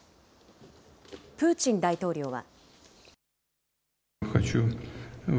プーチン大統領は。